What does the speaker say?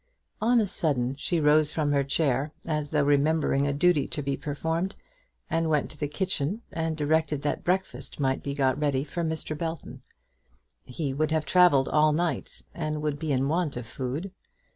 On a sudden she rose from her chair, as though remembering a duty to be performed, and went to the kitchen and directed that breakfast might be got ready for Mr. Belton. He would have travelled all night, and would be in want of food.